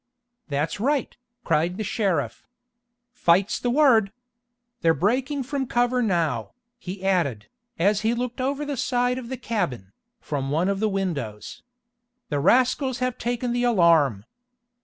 "That's right," cried the sheriff. "Fight's the word! They're breaking from cover now," he added, as he looked over the side of the cabin, from one of the windows. "The rascals have taken the alarm!"